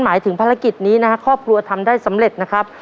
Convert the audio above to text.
หมายถึงภารกิจนี้นะครับครอบครัวทำได้สำเร็จนะครับ